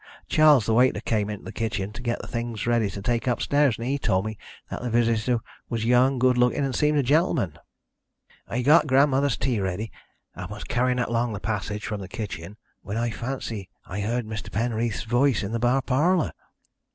Charles, the waiter, came into the kitchen to get the things ready to take upstairs, and he told me that the visitor was young, good looking, and seemed a gentleman. "I got grandmother's tea ready, and was carrying it along the passage from the kitchen when I fancied I heard Mr. Penreath's voice in the bar parlour.